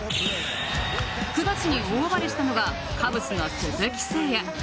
９月に大暴れしたのがカブスの鈴木誠也。